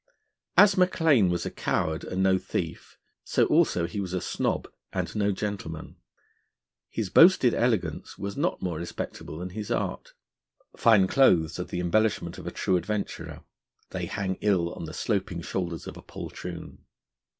As Maclaine was a coward and no thief, so also he was a snob and no gentleman. His boasted elegance was not more respectable than his art. Fine clothes are the embellishment of a true adventurer; they hang ill on the sloping shoulders of a poltroon.